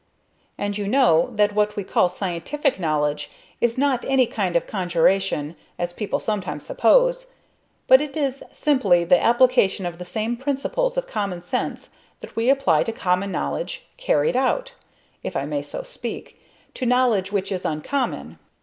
And you know that what we call scientific knowledge is not any kind of conjuration, as people sometimes suppose, but it is simply the application of the same principles of common sense that we apply to common knowledge, carried out, if I may so speak, to knowledge which is uncommon.